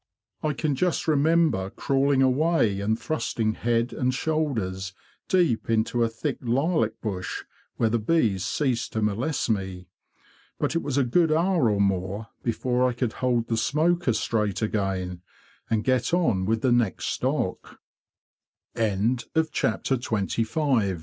I can just remember crawling away, and thrusting head and shoulders deep into a thick lilac bush, where the bees ceased to molest me. But it was a good hour or more before I could hold the smoker straight again, and get on w